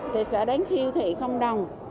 thì sẽ đến siêu thị không đồng